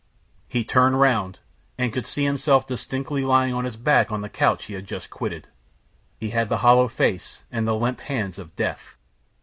He turned round, and could see himself distinctly lying on his back on the couch he had just quitted. He had the hollow face and the limp hands of death.